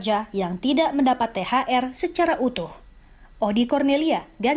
kalangan buruh meminta pemerintah mengawasi dan mengatasi perusahaan yang telah diadakan